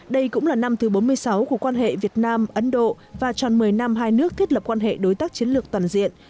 đây cũng là năm thứ bốn mươi sáu của quan hệ việt nam ấn độ và tròn một mươi năm hai nước thiết lập quan hệ đối tác chiến lược toàn diện